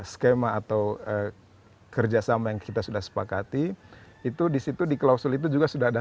skema atau kerjasama yang kita sudah sepakati itu disitu di klausul itu juga sudah ada